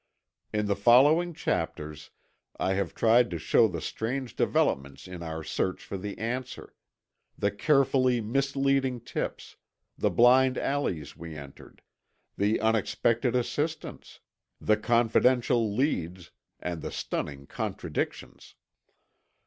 In the following chapters I have tried to show the strange developments in our search for the answer; the carefully misleading tips, the blind alleys we entered, the unexpected assistance, the confidential leads, and the stunning contradictions.